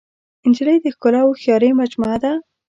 نجلۍ د ښکلا او هوښیارۍ مجموعه ده.